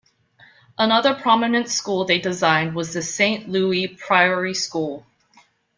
Another prominent school they designed was the Saint Louis Priory School.